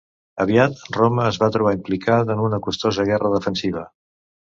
Aviat Roma es va trobar implicada en una costosa guerra defensiva.